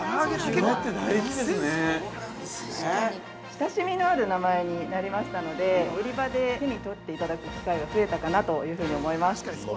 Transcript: ◆親しみのある名前になりましたので売り場で手に取っていただく機会が増えたかなというふうに思います。